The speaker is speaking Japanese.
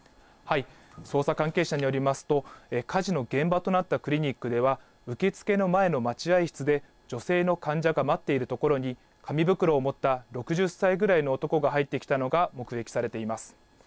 捜査関係者によりますと、火事の現場となったクリニックでは、受付の前の待合室で、女性の患者が待っているところに、紙袋を持った６０歳ぐらいの男が入ってきたのが目撃されています。